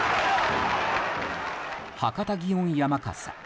博多祇園山笠。